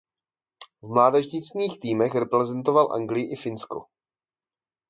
V mládežnických týmech reprezentoval Anglii i Finsko.